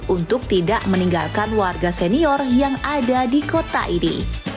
untuk tidak meninggalkan warga senior yang ada di kota ini